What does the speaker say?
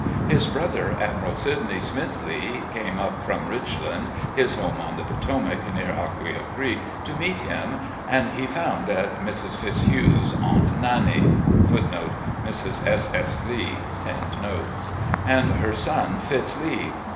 His brother. Admiral Sidney Smith Lee, came up from "Richland," his home on the Potomac near Acquia Creek, to meet him, and he found at Mrs. Fitzhugh's " Aunt Nannie "* and her son Fitz. Lee.